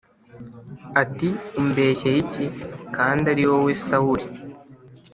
ati “umbeshyeye iki? kandi ari wowe sawuli!”